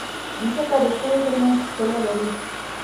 مځکه د ستورو ترمنځ ښکلا لري.